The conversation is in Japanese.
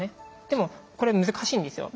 でもこれ難しいんですよ